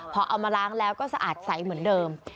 พอเอามาล้างแล้วก็สะอาดใสเหมือนเดิม